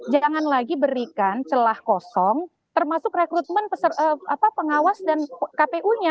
jangan lagi berikan celah kosong termasuk rekrutmen pengawas dan kpu nya